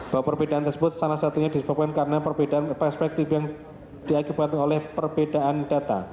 bahwa perbedaan tersebut salah satunya disebabkan karena perbedaan perspektif yang diakibatkan oleh perbedaan data